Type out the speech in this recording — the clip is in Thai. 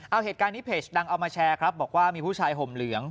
เอาเหตุการณ์นี้เพจดังเอามาแชร์ครับบอกว่ามีผู้ชายห่มเหลือง